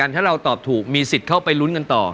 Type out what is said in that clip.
ถ้าเราตอบถูกมีสิทธิ์เข้าไปลุ้นกันต่อ